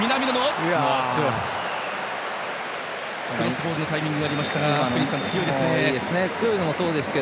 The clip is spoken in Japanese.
クロスボールのタイミングがありましたが強いですね。